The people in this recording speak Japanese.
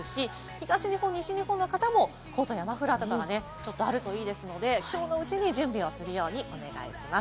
東日本、西日本の方も、コートやマフラーなどがあるといいので、きょうのうちに準備をするようにお願いします。